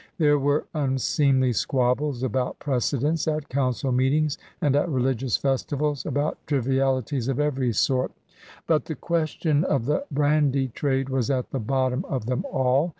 There were unseemly squabbles about precedence at council meetings and at religious festivals, about trivialities of every sort; but the 90 CRUSADERS OP NEW FRANCE question of the brandy trade was at the bottom of them all.